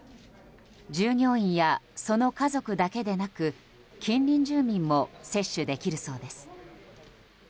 従業員や、その家族だけでなく近隣住民も接種できるそうです。